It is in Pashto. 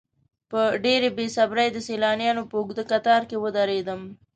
په ډېرې بې صبرۍ د سیلانیانو په اوږده کتار کې ودرېدم.